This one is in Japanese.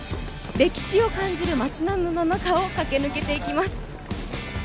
歴史を感じる街並みの中を駆け抜けていきます。